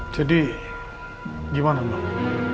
jadi gimana bang